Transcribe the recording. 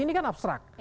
ini kan abstrak